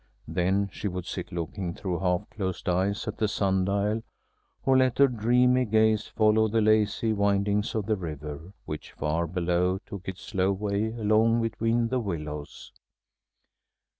Then she would sit looking through half closed eyes at the sun dial, or let her dreamy gaze follow the lazy windings of the river, which, far below, took its slow way along between the willows.